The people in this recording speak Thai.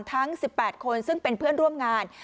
ทั้ง๑๘คนซึ่งเป็นเพื่อนร่วมงาน